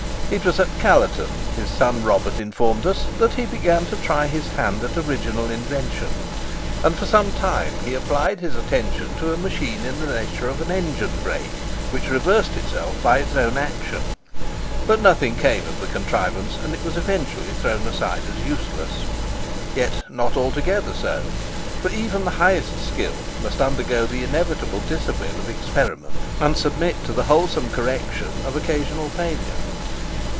It was at Callerton, his son Robert informed us, that he began to try his hand at original invention; and for some time he applied his attention to a machine of the nature of an engine brake, which reversed itself by its own action. But nothing came of the contrivance, and it was eventually thrown aside as useless. Yet not altogether so; for even the highest skill must undergo the inevitable discipline of experiment, and submit to the wholesome correction of occasional failure.